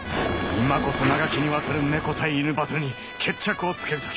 今こそ長きにわたるネコ対イヌバトルに決着をつけるとき。